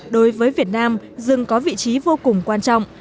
đối với việt nam rừng có vị trí vô cùng quan trọng